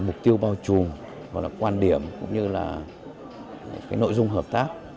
mục tiêu bao trùm quan điểm nội dung hợp tác